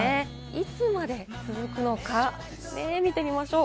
いつまで続くのか見てみましょう。